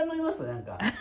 なんか。